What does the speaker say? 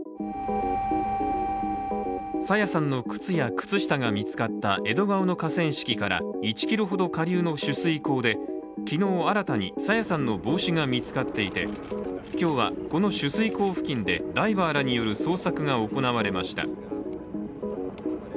朝芽さんの靴や靴下が見つかった江戸川の河川敷から１ｋｍほど下流の取水口で昨日新たに、朝芽さんの帽子が見つかっていて今日はこの取水口付近でダイバーらによる捜索が行われました。